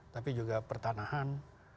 tapi juga pertanahan